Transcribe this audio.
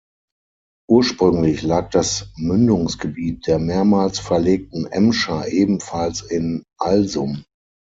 Ursprünglich lag das Mündungsgebiet der mehrmals verlegten Emscher ebenfalls in Alsum.